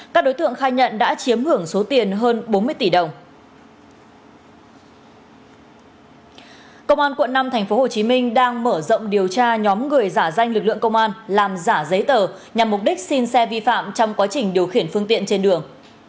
công an quận năm tp hcm đang mở rộng điều tra nhóm người giả danh lực lượng công an làm giả giấy tờ nhằm mục đích xin xe vi phạm trong quá trình điều khiển phương tiện trên đường